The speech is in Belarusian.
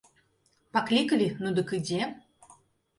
Паклікалі, ну дык ідзе.